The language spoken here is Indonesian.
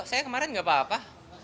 saya kemarin gak apa apa